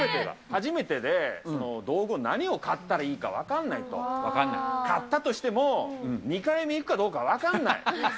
初めてで、道具、何を買ったらいいか分かんないと、買ったとしても、２回目行くかどうか分かんない。